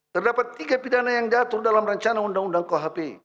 terdapat tiga pidana yang jatuh dalam rencana undang undang khp